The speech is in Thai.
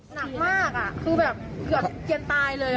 หนักมากอ่ะคือแบบเกิดเกินตายเลยอ่ะ